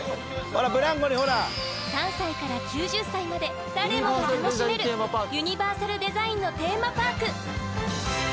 ３歳から９０歳まで誰もが楽しめるユニバーサルデザインのテーマパーク。